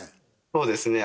そうですね。